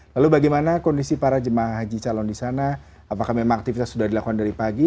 lalu bagaimana kondisi para jemaah haji calon di sana apakah memang aktivitas sudah dilakukan dari pagi